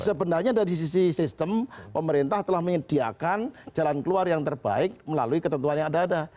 sebenarnya dari sisi sistem pemerintah telah menyediakan jalan keluar yang terbaik melalui ketentuan yang ada ada